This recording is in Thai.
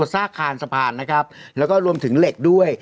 ซากคานสะพานนะครับแล้วก็รวมถึงเหล็กด้วย